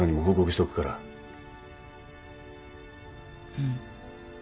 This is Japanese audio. うん。